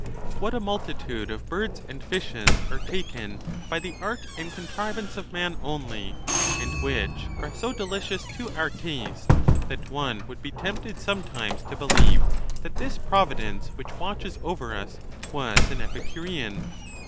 What a multitude of birds and fishes are taken by the art and contrivance of man only, and which are so delicious to our taste that one would be tempted some times to believe that this Providence which watches over us was an Epicurean